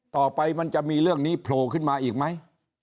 มันจะมีเรื่องนี้โผล่ขึ้นมาอีกไหม